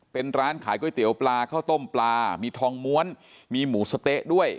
เป็นร้านขายก๋วยเตี๋ยวปลาข้าวต้มปลามีทองม้วนมีหมูสะเต๊ะด้วย